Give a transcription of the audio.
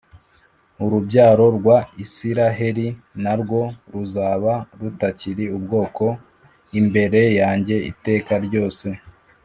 urubyaro rwa Isiraheli na rwo ruzaba rutakiri ubwoko imbere yanjye iteka ryose